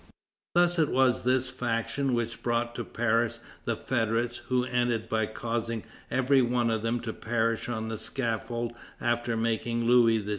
Thus it was this faction which brought to Paris the federates who ended by causing every one of them to perish on the scaffold after making Louis XVI.